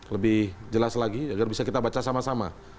lebih jelas lagi agar bisa kita baca sama sama